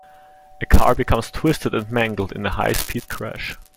A car becomes twisted and mangled in a high speed crash.